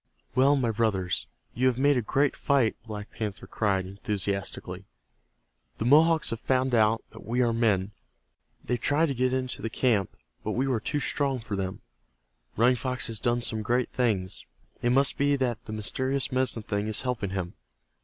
"Well, my brothers, you have made a great fight," Black Panther cried, enthusiastically. "The Mohawks have found out that we are men. They tried to get into the camp, but we were too strong for them. Running Fox has done some great things. It must be that the mysterious Medicine Thing is helping him.